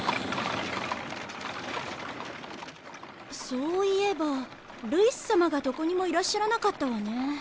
そういえばルイス様がどこにもいらっしゃらなかったわね。